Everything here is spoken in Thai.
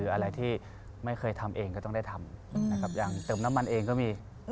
อะไรที่ไม่เคยทำเองก็ต้องได้ทำนะครับอย่างเติมน้ำมันเองก็มี